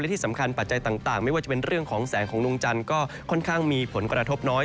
ที่สำคัญปัจจัยต่างไม่ว่าจะเป็นเรื่องของแสงของดวงจันทร์ก็ค่อนข้างมีผลกระทบน้อย